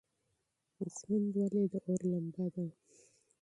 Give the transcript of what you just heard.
ژوند ولې د اور لمبه ده؟